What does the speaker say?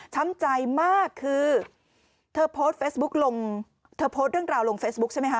ช้ำใจมากคือเธอโพสต์เรื่องราวลงเฟซบุ๊กใช่ไหม